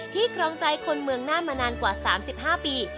ครองใจคนเมืองน่านมานานกว่า๓๕ปี